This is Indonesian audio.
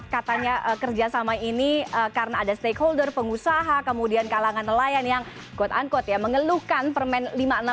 katanya kerjasama ini karena ada stakeholder pengusaha kemudian kalangan nelayan yang mengelluhkan permen lima puluh enam dua ribu enam belas